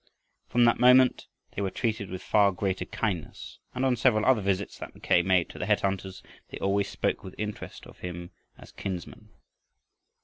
From that moment they were treated with far greater kindness, and on several other visits that Mackay made to the head hunters, they always spoke with interest of him as kinsman.